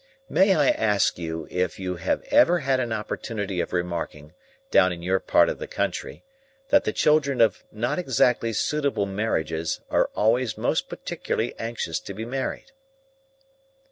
May I ask you if you have ever had an opportunity of remarking, down in your part of the country, that the children of not exactly suitable marriages are always most particularly anxious to be married?"